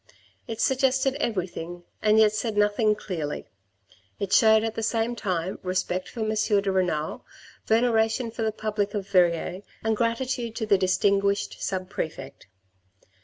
It suggested everything and yet said nothing clearly. It showed at the same time respect for M. de Renal, veneration for the public of Verrieres and gratitude to the distinguished sub prefect.